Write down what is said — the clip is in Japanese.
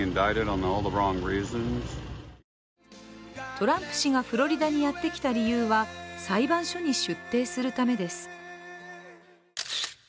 トランプ氏がフロリダにやってきた理由は裁判所に出廷するためです。